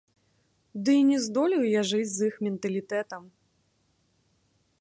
Ды і не здолею я жыць з іх менталітэтам.